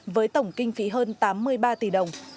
với tổng kinh phí hơn tám mươi ba tỷ đồng